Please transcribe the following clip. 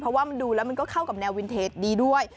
เพราะว่ามันดูแล้วมันก็เข้ากับแนววินเทจดีด้วย